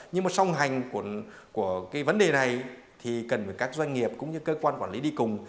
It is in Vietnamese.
nhưng mà song hành của cái vấn đề này thì cần phải các doanh nghiệp cũng như cơ quan quản lý đi cùng